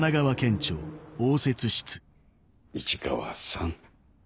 市川さん。